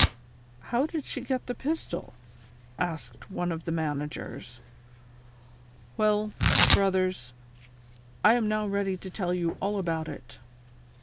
" How did she get the pistol ?" asked one of the man agers. " Well, brothers, I am now ready to tell you all about it.